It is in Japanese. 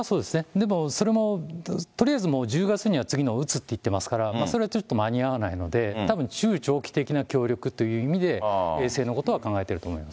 でもそれもとりあえず１０月には次のを打つって言ってますから、それはちょっと間に合わないので、中長期的な協力という意味で、衛星のことは考えていると思います。